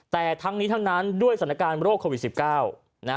แต่ทั้งนี้ทั้งนั้นด้วยสถานการณ์โรคโควิด๑๙นะ